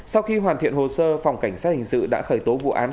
sau khi hoàn thiện hồ sơ phòng cảnh sát hình sự đã khởi tố vụ án